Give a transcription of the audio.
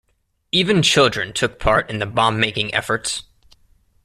Even children took part in the bomb-making efforts.